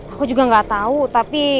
aku juga gak tahu tapi